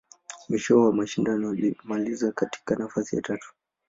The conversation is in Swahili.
Mwisho wa mashindano, alimaliza katika nafasi ya tatu.